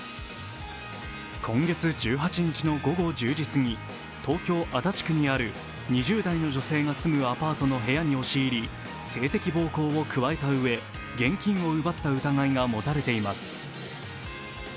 今月１８日の午後１０時すぎ東京・足立区にある２０代の女性が住むアパートに押し入り、性的暴行を加えたうえ現金を奪った疑いが持たれています。